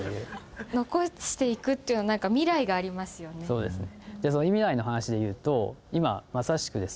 そうですね。